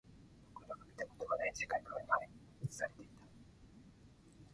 僕らが見たことがない世界が映されていた